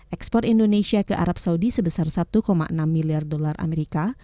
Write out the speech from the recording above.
ekspor indonesia ke arab saudi sebesar satu enam miliar dolar amerika